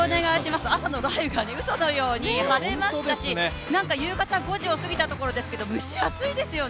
朝の雷雨がうそのように晴れましたし、夕方５時を過ぎたところですけど蒸し暑いですよね。